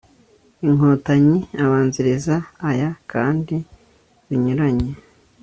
INKOTANYI abanziriza aya kandi zinyuranye